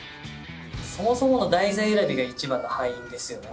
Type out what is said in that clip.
そもそもの題材選びが一番の敗因ですよね